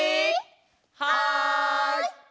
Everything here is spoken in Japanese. はい！